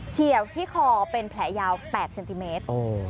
เชี่ยวที่คอเป็นแผลยาว๘เซนติเมตร